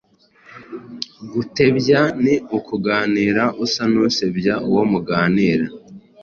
Gutebya: Ni ukuganira usa n’usebya uwo muganira